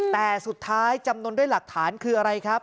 แต่สุดท้ายจำนวนด้วยหลักฐานคืออะไรครับ